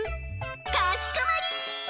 かしこまり！